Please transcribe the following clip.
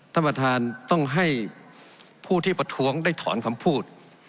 ท่านประธานต้องให้ผู้ที่ประท้วงได้ถอนคำพูด